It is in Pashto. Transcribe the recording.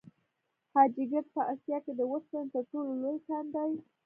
حاجي ګک په اسیا کې د وسپنې تر ټولو لوی کان دی.